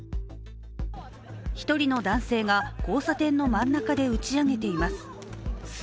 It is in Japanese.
一人の男性が、交差点の真ん中で打ち上げています。